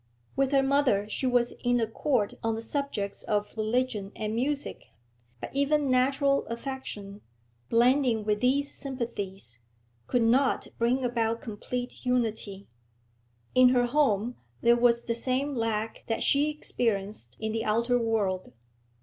With her mother she was in accord on the subjects of religion and music, but even natural affection, blending with these sympathies, could not bring about complete unity in her home there was the same lack that she experienced in the outer world.